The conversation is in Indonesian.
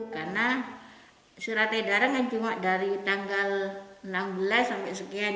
karena surat edaran yang cuma dari tanggal enam belas sampai sekian